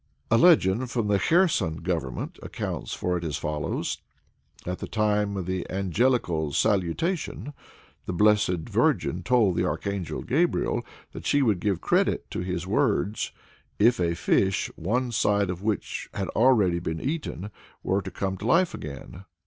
A legend from the Kherson Government accounts for it as follows. At the time of the Angelical Salutation, the Blessed Virgin told the Archangel Gabriel that she would give credit to his words "if a fish, one side of which had already been eaten, were to come to life again.